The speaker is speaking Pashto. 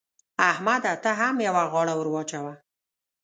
احمده! ته هم يوه غاړه ور واچوه.